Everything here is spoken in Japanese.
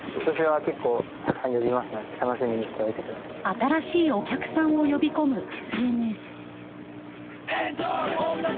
新しいお客さんを呼び込むＳＮＳ。